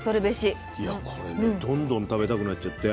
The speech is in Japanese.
いやこれねどんどん食べたくなっちゃって。